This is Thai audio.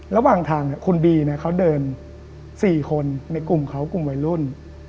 ระหว่างทางคุณบีเขาเดิน๔คนในกลุ่มเขากลุ่มวัยรุ่น